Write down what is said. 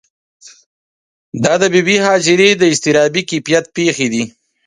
دا د بې بي هاجرې د اضطرابي کیفیت پېښې دي.